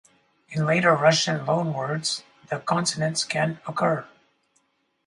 In later Russian loanwords, the consonants can occur.